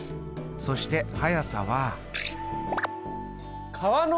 そして速さは。